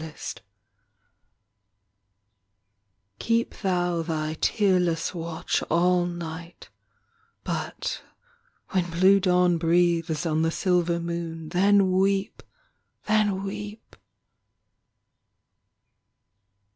34 ANGUISH Keep thou Thy tearless watch All night but when blue dawn Breathes on the silver moon, then weep ! Then weep!